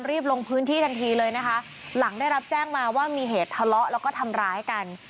รีบลงพื้นที่ทันทีเลยนะคะหลังได้รับแจ้งมาว่ามีเหตุทะเลาะแล้วก็ทำร้ายกัน